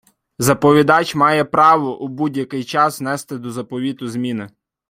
Заповідач має право у будь-який час внести до заповіту зміни.